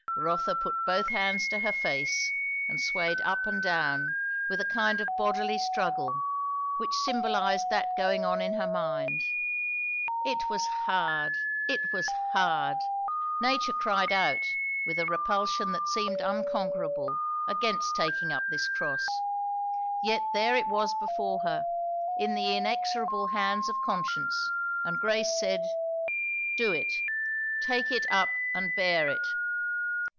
Rotha put both hands to her face and swayed up and down, with a kind of bodily struggle, which symbolized that going on in her mind. It was hard, it was hard! Nature cried out, with a repulsion that seemed unconquerable, against taking up this cross; yet there it was before her, in the inexorable hands of conscience, and Grace said, "Do it; take it up and bear it."